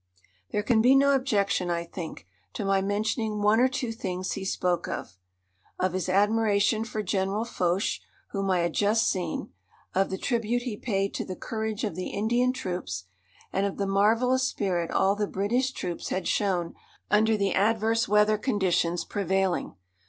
There can be no objection, I think, to my mentioning one or two things he spoke of of his admiration for General Foch, whom I had just seen, of the tribute he paid to the courage of the Indian troops, and of the marvellous spirit all the British troops had shown under the adverse weather conditions prevailing.